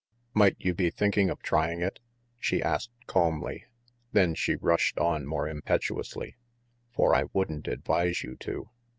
"Might you be thinking of trying it?" she asked calmly; then she rushed on more impetuously, "For I wouldn't advise you to."